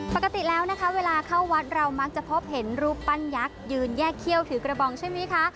ปกติแล้วนะคะเวลาเข้าวัดเรามักจะพบเห็นรูปปั้นยักษ์ยืนแยกเขี้ยวถือกระบองใช่ไหมคะ